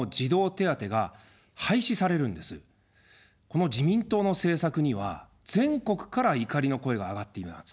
この自民党の政策には全国から怒りの声が上がっています。